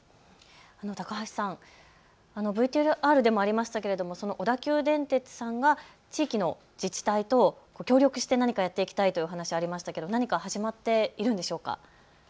高橋さん、ＶＴＲでもありましたけれども小田急電鉄さんが地域の自治体と協力して何かやっていきたいというお話、ありましたけれど何か始まっているんでしょうか。